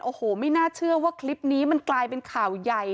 โอ้โหไม่น่าเชื่อว่าคลิปนี้มันกลายเป็นข่าวใหญ่